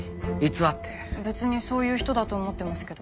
別にそういう人だと思ってますけど。